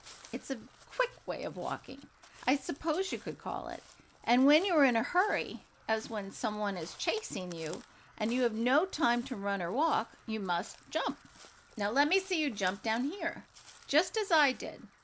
It is a quick way of walking, I suppose you could call it, and when you are in a hurry, as when some one is chasing you, and you have no time to run or walk, you must jump. Now let me see you jump down here, just as I did.